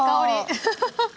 アハハハハ。